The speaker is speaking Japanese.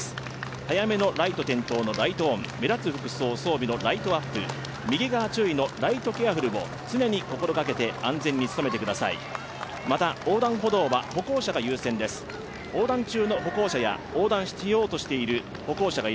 早めのライト点灯のライトオン、目立つ服装装備のライト・アップ、右側注意のライト・ケアフルも常に安全を務めて注意してください。